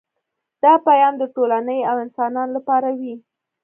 دا پیام د ټولنې او انسانانو لپاره وي